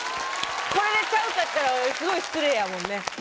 これでちゃうかったらすごい失礼やもんね